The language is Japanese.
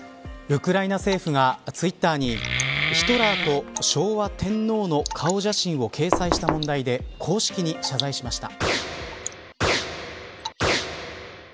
ウクライナ政府がツイッターにヒトラーと昭和天皇の顔写真を掲載した問題で公式に謝罪しました。